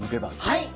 はい。